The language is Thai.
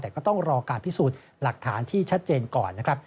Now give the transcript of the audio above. แต่ก็ต้องรอการพิสูจน์หลักฐานที่ชัดเจนก่อนนะครับ